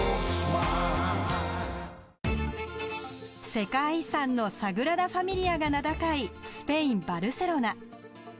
世界遺産のサグラダファミリアが名高いスペイン・バルセロナ。